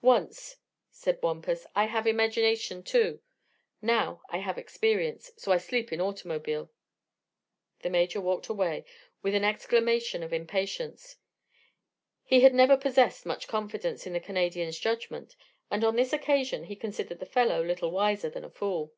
"Once," said Wampus, "I have imagination, too. Now I have experience; so I sleep in automobile." The Major walked away with an exclamation of impatience. He had never possessed much confidence in the Canadian's judgment and on this occasion he considered the fellow little wiser than a fool.